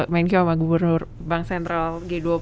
menkyu sama gubernur bank sentral g dua puluh